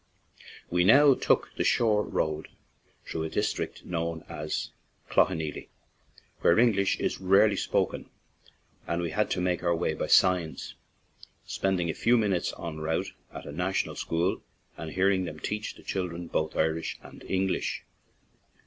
We now took the shore road through a district known as Cloughaneely, where English is rarely spoken and we had to make our way by signs, spending a few minutes en route at a national school and hearing them teach the children both Irish and English.